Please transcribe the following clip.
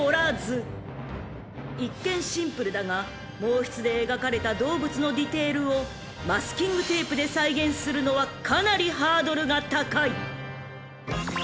［一見シンプルだが毛筆で描かれた動物のディテールをマスキングテープで再現するのはかなりハードルが高い］